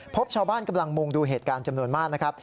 พบชาวบ้านกำลังมุงดูเหตุการณ์จำนวนมากนะครับ